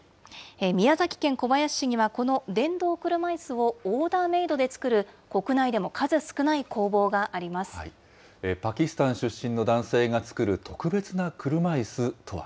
宮崎県小林市には、この電動車いすをオーダーメードで作る国内でも数少ない工房があパキスタン出身の男性が作る特別な車いすとは。